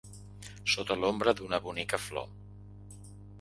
Sota l’ombra d’una bonica flor.